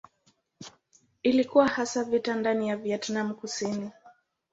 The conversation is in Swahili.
Ilikuwa hasa vita ndani ya Vietnam Kusini.